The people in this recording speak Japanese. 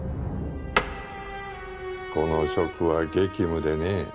この職は激務でね